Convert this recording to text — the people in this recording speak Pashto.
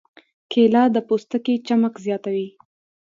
کېله د پوستکي چمک زیاتوي.